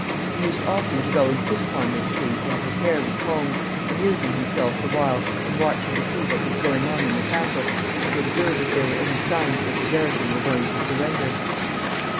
He used often to go and sit upon this tree while his hair was combed, amusing himself the while in watching to see what was going on in the castle, and to observe if there were any signs that the garrison were going to surrender.